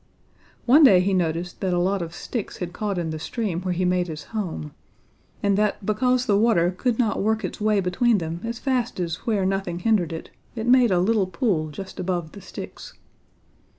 One day he noticed that a lot of sticks had caught in the stream where he made his home, and that because the water could not work its way between them as fast as where nothing hindered it, it made a little pool just above the sticks.